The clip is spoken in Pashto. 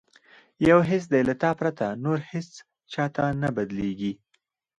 یو حس دی له تا پرته، نور هیڅ چاته نه بدلیږي